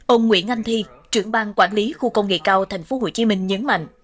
ông nguyễn anh thi trưởng bang quản lý khu công nghệ cao tp hcm nhấn mạnh